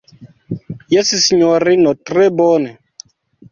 Jes, sinjorino, tre bone.